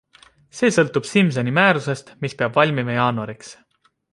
See sõltub Simsoni määrusest, mis peab valmima jaanuariks.